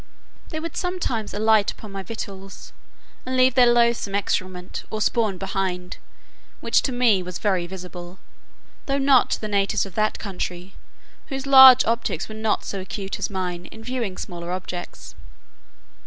They would sometimes alight upon my victuals, and leave their loathsome excrement, or spawn behind, which to me was very visible, though not to the natives of that country, whose large optics were not so acute as mine, in viewing smaller objects.